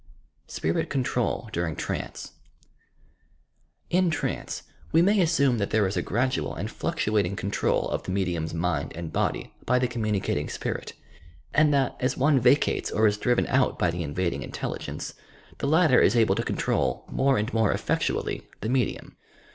SPIMT CONTROL DURING TRANCE In trance, we may assume that there is a gradual and fluctuating control of the medium's mind and body by the communicating spirit, and that, as one vacates or is driven out by the invading intelligence, the latter is able to control, more and more effectually, the medium.